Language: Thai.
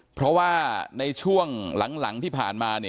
เพราะว่าในช่วงหลังที่ผ่านมา